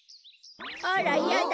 あらやだ